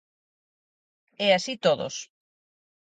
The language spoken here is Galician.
E así todos.